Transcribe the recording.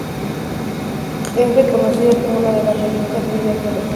Es reconocida como una de las revistas líder de los negocios mexicanos.